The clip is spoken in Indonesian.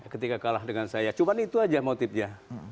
ketika kalah dengan saya cuma itu aja motifnya